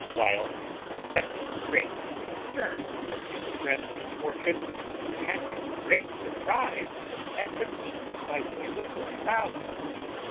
Wild affected great concern for his friend's misfortune, and as great surprize at the means by which it was brought about.